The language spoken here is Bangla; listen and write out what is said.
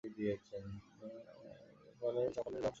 ফলে সকলেই ধ্বংস হয়ে যায়।